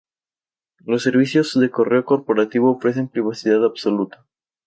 Los servicios de correo corporativo ofrecen privacidad absoluta.